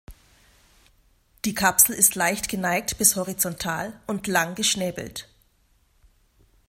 Die Kapsel ist leicht geneigt bis horizontal und lang geschnäbelt.